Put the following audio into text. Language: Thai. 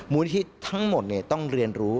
มูลนิธิทั้งหมดต้องเรียนรู้